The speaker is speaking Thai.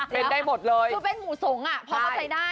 คือเป็มูสงก็เข้าใจด้าย